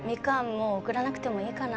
もう送らなくてもいいかな